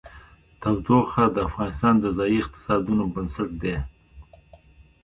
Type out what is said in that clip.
تودوخه د افغانستان د ځایي اقتصادونو بنسټ دی.